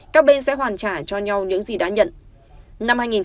các bên sẽ hoàn trả cho nhau những gì đã nhận